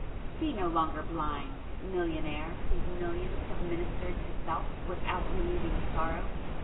Be no longer blind, millionaire whose millions have ministered to Self without relieving sorrow!